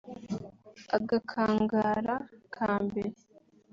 Agakangara ka mbere